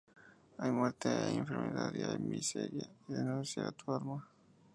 Hay muerte y hay enfermedad y hay miseria y renunciar a tu alma...